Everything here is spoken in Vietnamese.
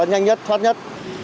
nhanh nhất thoát nhất